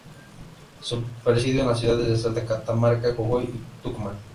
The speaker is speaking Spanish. Fue percibido en las ciudades de Salta, Catamarca, Jujuy y Tucumán.